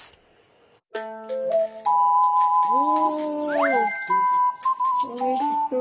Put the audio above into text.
おおいしそう！